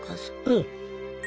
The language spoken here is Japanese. うん。